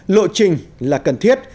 lộ trình là cần thiết